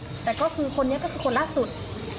แต่ก็คือคนนี้ก็คือคนล่าสุด